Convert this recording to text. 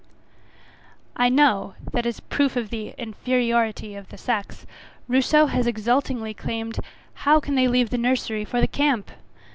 I know, that as a proof of the inferiority of the sex, Rousseau has exultingly exclaimed, How can they leave the nursery for the camp!